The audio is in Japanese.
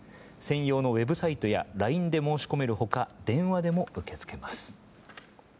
専用のウェブサイトやＬＩＮＥで申し込める他電話でも受け付けます。